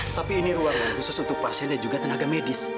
tapi ini ruangan khusus untuk pasien dan juga tenaga medis